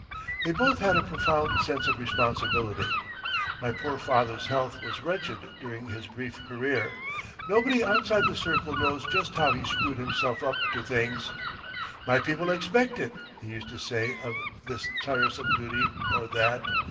They both had a profound sense of responsibility. My poor father's health was wretched during his brief career; nobody outside the circle knows just how he screwed himself up to things. "My people expect it," he used to say of this tiresome duty or that.